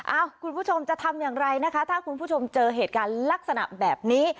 คุณผู้ชมจะทำอย่างไรนะคะถ้าคุณผู้ชมเจอเหตุการณ์ลักษณะแบบนี้